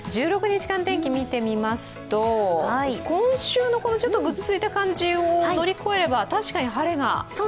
１６日間天気を見てみますと、今週のぐずついた感じを乗り越えれば、確かに晴れが。